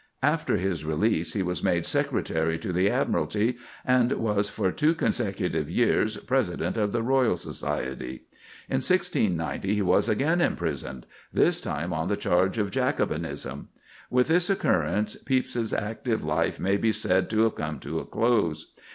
After his release he was made Secretary to the Admiralty, and was for two consecutive years President of the Royal Society. In 1690, he was again imprisoned, this time on the charge of Jacobinism. With this occurrence, Pepys's active life may be said to have come to a close.